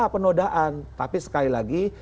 penodaan tapi sekali lagi